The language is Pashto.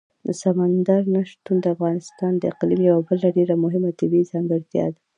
سمندر نه شتون د افغانستان د اقلیم یوه بله ډېره مهمه طبیعي ځانګړتیا ده.